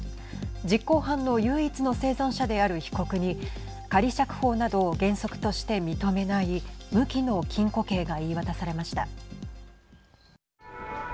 実行犯の唯一の生存者である被告に仮釈放などを原則として認めない無期の禁錮刑が言い渡されました。